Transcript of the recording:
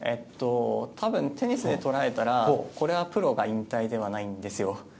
多分、テニスで捉えたらこれはプロが引退ではないんですよ。